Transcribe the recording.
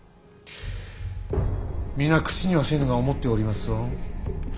皆口にはせぬが思っておりますぞ。